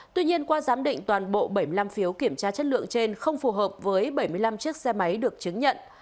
tuy nhiên qua giám định toàn bộ bảy mươi năm phiếu kiểm tra chất lượng trên không phù hợp với bảy mươi năm chiếc xe máy được chứng nhận